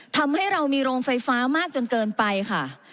ทำให้เรามีโรงไฟฟ้ามากจนเกินไปค่ะ